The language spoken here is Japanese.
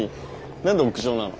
何で屋上なの？